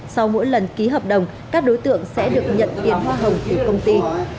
sau mỗi lần ký hợp đồng các đối tượng sẽ được nhận tiền hoạt động của công ty